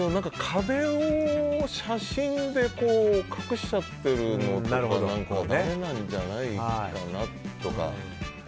壁を写真で隠しちゃうのは何か、だめなんじゃないかなとか。